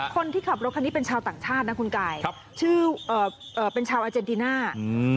คนที่ขับรถคันนี้เป็นชาวต่างชาตินะคุณกายครับชื่อเอ่อเป็นชาวอาเจนติน่าอืม